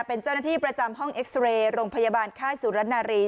เป็นเจ้าหน้าที่ประจำห้องเอ็กซ์เรย์โรงพยาบาลค่ายสุรณารี